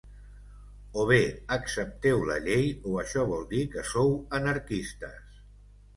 O bé accepteu la llei o això vol dir que sou anarquistes.